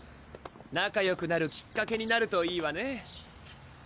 なかよくなるきっかけになるといいわね